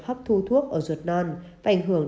hấp thu thuốc ở ruột non và ảnh hưởng